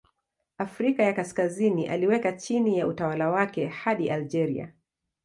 Afrika ya Kaskazini aliweka chini ya utawala wake hadi Algeria.